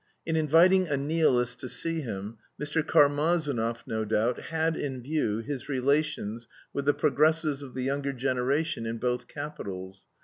In inviting a nihilist to see him, Mr. Karmazinov, no doubt, had in view his relations with the progressives of the younger generation in both capitals.